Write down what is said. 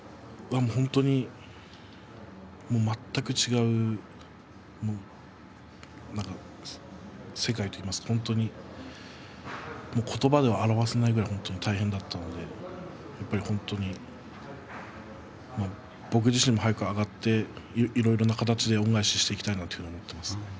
本当に全く違う世界といいますか言葉では表せないぐらい大変だったので本当に僕自身も早く上がっていろいろな形で恩返しをしていきたいと思っています。